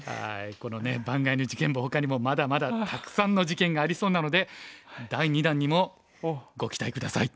このね盤外の事件簿ほかにもまだまだたくさんの事件がありそうなので第２弾にもご期待下さい。